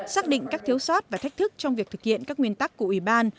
xác định các thiếu sót và thách thức trong việc thực hiện các nguyên tắc của ủy ban